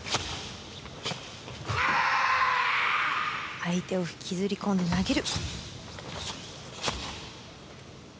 相手を引きずり込んで投げる。